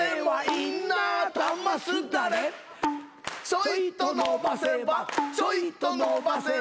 「ちょいと伸ばせばちょいと伸ばせば」